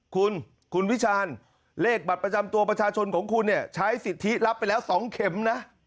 คุณคุณวิชาณเลขบัตรประจำตัวประชาชนของคุณเนี่ยใช้สิทธิรับไปแล้ว๒เข็มนะ